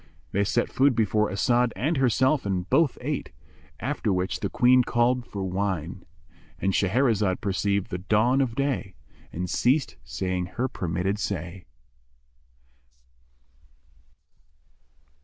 They set food before As'ad and herself and both ate, after which the Queen called for wine.—And Shahrazad perceived the dawn of day and ceased saying her permitted say.